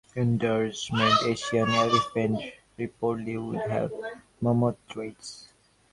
Endangered Asian elephants reportedly would have mammoth traits.